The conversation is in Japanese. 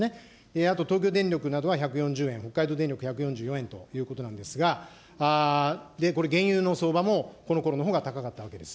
あと東京電力などは１４０円、北海道電力１４４円ということなんですが、これ、原油の相場も、このころのほうが高かったわけです。